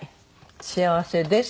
「幸せです」。